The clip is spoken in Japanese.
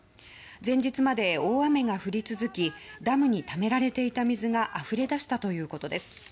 前日まで大雨が降り続きダムにためられていた水があふれ出したということです。